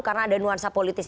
karena ada nuansa politis